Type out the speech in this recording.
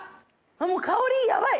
もう香りヤバい！